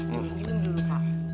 dundun dulu pak